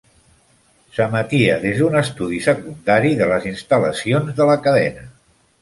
S'emetia des d'un estudi secundari de les instal·lacions de la cadena.